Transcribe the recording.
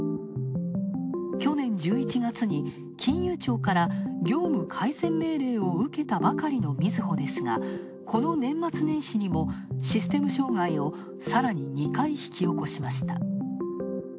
去年１１月に金融庁から業務改善命令を受けたばかりのみずほですが、この年末年始にもシステム障害をさらに２回引き起こしました。